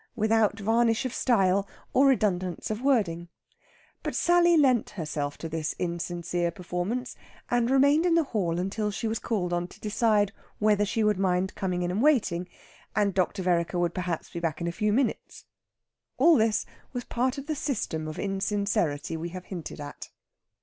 without varnish of style, or redundance of wording. But Sally lent herself to this insincere performance, and remained in the hall until she was called on to decide whether she would mind coming in and waiting, and Dr. Vereker would perhaps be back in a few minutes. All this was part of the system of insincerity we have hinted at.